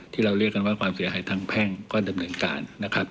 ที่เราเรียกกันว่าความเสียหายทางแพ่งก็ดำเนินการนะครับ